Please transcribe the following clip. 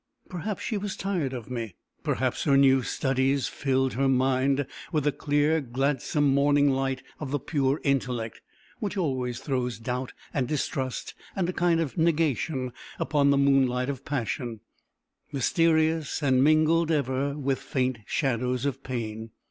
Perhaps she was tired of me. Perhaps her new studies filled her mind with the clear, gladsome morning light of the pure intellect, which always throws doubt and distrust and a kind of negation upon the moonlight of passion, mysterious, and mingled ever with faint shadows of pain.